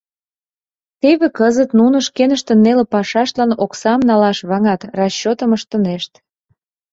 Теве кызыт нуно шкеныштын неле пашаштлан оксам налаш ваҥат, расчётым ыштынешт.